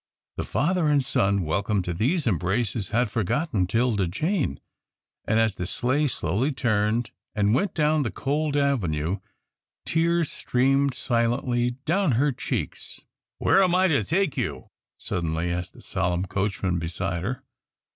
The father and son welcomed to these embraces had forgotten 'Tilda Jane, and as the sleigh slowly turned and went down the cold avenue, tears streamed silently down her cheeks. "Where am I to take you?" suddenly asked the solemn coachman beside her.